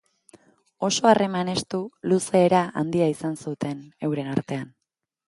Oso harreman estu, luze era handia izan zuten euren artean.